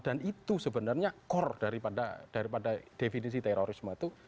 dan itu sebenarnya core daripada definisi terorisme itu